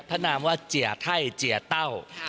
นามว่าเจียไทยเจียเต้า